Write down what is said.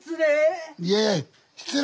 失礼。